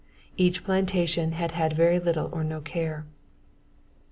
Each plantation had had very little or no care.